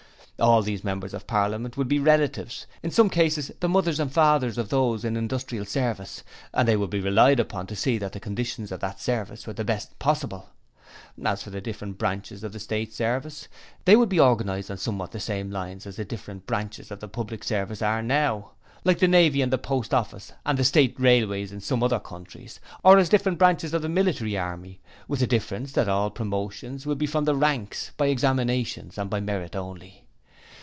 'All these Members of Parliament would be the relatives in some cases the mothers and fathers of those in the Industrial Service, and they would be relied upon to see that the conditions of that service were the best possible. 'As for the different branches of the State Service, they could be organized on somewhat the same lines as the different branches of the Public Service are now like the Navy, the Post Office and as the State Railways in some other countries, or as are the different branches of the Military Army, with the difference that all promotions will be from the ranks, by examinations, and by merit only.